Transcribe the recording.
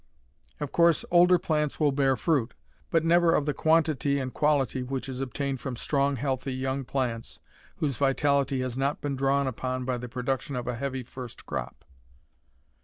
Of course older plants will bear fruit, but never of the quantity and quality which is obtained from strong, healthy young plants whose vitality has not been drawn upon by the production of a heavy first crop.